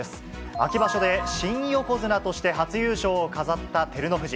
秋場所で新横綱として初優勝を飾った照ノ富士。